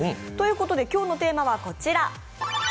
ということで、今日のテーマはこちら。